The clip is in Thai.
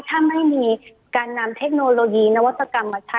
ถ้าไม่มีการนำเทคโนโลยีนวัตกรรมมาใช้